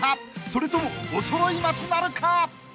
［それともおそろい松なるか］